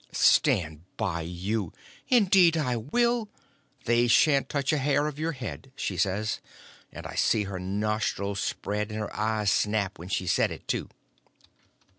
"Stand by you! indeed I will. They sha'n't touch a hair of your head!" she says, and I see her nostrils spread and her eyes snap when she said it, too.